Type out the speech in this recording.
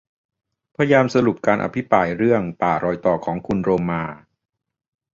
พยายามสรุปการอภิปรายเรื่อง ป่ารอยต่อ ของคุณโรมมา